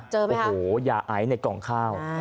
เจอไหมครับโอ้โหอย่าอายในกล่องข้าว